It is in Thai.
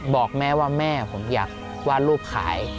บอกแม่ว่าแม่ผมอยากวาดรูปขาย